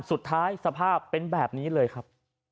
สภาพเป็นแบบนี้เลยครับ